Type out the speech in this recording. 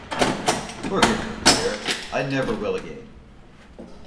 Forgive me, dear, I never will again!